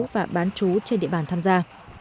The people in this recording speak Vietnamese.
và bán chú trên địa bàn tham gia